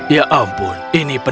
ya ampun ini penuh